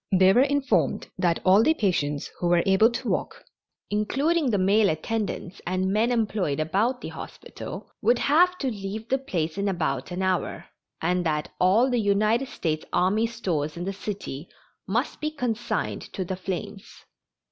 They were informed that all the patients who were able to walk, including the male attendants and men employed about the hospital, would have to leave the place in about an hour, and that all the United States army stores in the city must be consigned to the flames.